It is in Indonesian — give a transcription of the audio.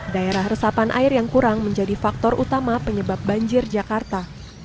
daerah resapan air yang kurang menjadi faktor utama penyebab banjir jakarta